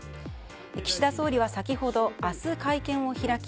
岸田総理は先ほど明日会見を開き